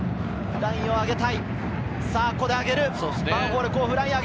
ラインを上げる。